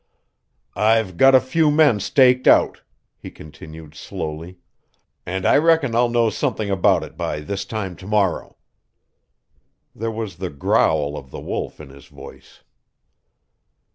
"I've got a few men staked out," he continued slowly, "and I reckon I'll know something about it by this time to morrow." There was the growl of the Wolf in his voice.